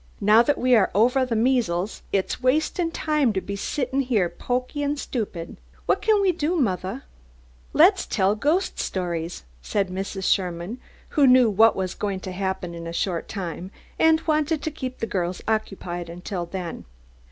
Now that we are ovah the measles it's wastin' time to be sittin' heah so poky and stupid. What can we do, mothah?" "Let's tell ghost stories," said Mrs. Sherman, who knew what was going to happen in a short time, and wanted to keep the girls occupied until then.